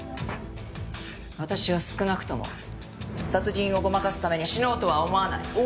私は少なくとも殺人をごまかすために死のうとは思わない。